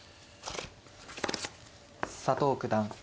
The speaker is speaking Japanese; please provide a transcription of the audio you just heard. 佐藤九段